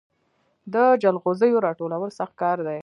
د جلغوزیو راټولول سخت کار دی